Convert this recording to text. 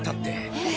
えっ！？